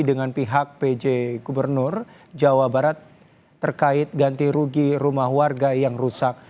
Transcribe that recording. dengan pihak pj gubernur jawa barat terkait ganti rugi rumah warga yang rusak